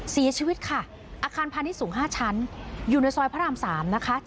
เสียชีวิตค่ะอาคารพาณิชย์สูง๕ชั้นอยู่ในซอยพระราม๓นะคะ